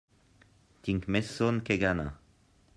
Tinc més son que gana.